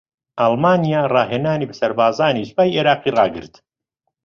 ئەڵمانیا راھێنان بە سەربازانی سوپای عێراقی راگرت